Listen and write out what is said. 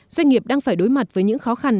doanh nghiệp đang phải đối mặt với những khó khăn